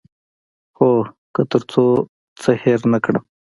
هو، که تر څو څه هیر نه کړم